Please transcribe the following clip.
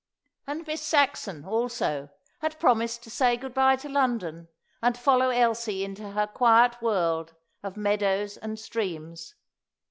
And Miss Saxon, also, had promised to say good bye to London, and follow Elsie into her quiet world of meadows and streams.